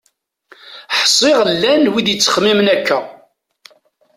Ḥsiɣ llan wid yettxemmimen akka.